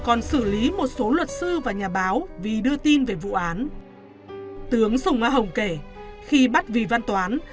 còn xử lý một số luật sư và nhà báo vì đưa tin về vụ án tướng sùng á hồng kể khi bắt vy văn toán